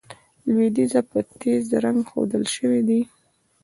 لوېدیځه په تېز رنګ ښودل شوي دي.